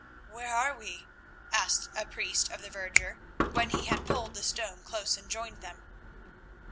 "Where are we?" asked a priest of the verger, when he had pulled the stone close and joined them.